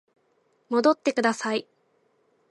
戻ってください